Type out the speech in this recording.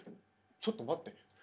ちょっと待って。